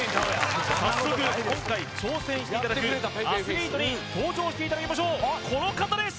早速今回挑戦していただくアスリートに登場していただきましょうこの方です